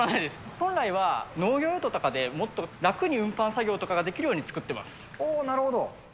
本来は農業用途とかでもっと楽に運搬作業ができるように作ってまなるほど。